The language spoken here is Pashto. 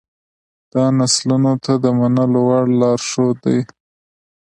دا نسلونو ته د منلو وړ لارښود دی.